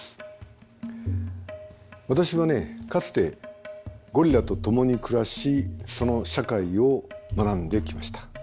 私はねかつてゴリラと共に暮らしその社会を学んできました。